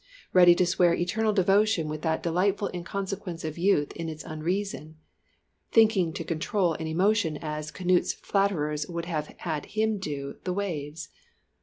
Ready to swear eternal devotion with that delightful inconsequence of youth in its unreason, thinking to control an emotion as Canute's flatterers would have had him do the waves.